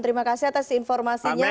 terima kasih atas informasinya